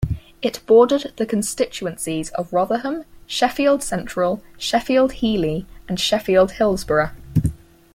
It bordered the constituencies of Rotherham, Sheffield Central, Sheffield Heeley and Sheffield Hillsborough.